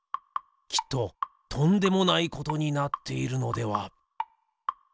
きっととんでもないことになっているのでは？